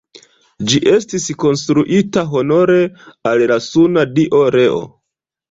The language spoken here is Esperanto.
Ĝi estis konstruita honore al la suna dio Reo.